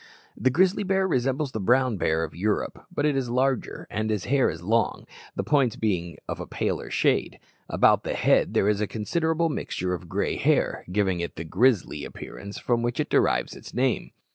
The grizzly bear resembles the brown bear of Europe, but it is larger, and the hair is long, the points being of a paler shade. About the head there is a considerable mixture of gray hair, giving it the "grizzly" appearance from which it derives its name.